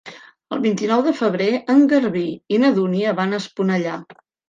El vint-i-nou de febrer en Garbí i na Dúnia van a Esponellà.